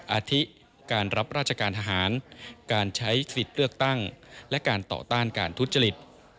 อาทิการรับราชการทหารการใช้สิทธิ์เลือกตั้งและการต่อต้านการทุจริต